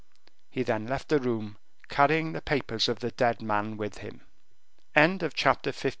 He then left the room, carrying the papers of the dead man with him. Chapter LIV.